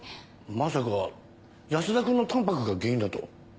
まさか安田君のタンパクが原因だと？